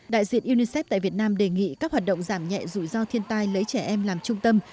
đại diện unicef tại việt nam đề nghị các hoạt động giảm nhẹ rủi ro thiên tai lấy trẻ em làm trung tâm